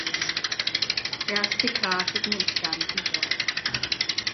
Erste Grafiken entstanden dort.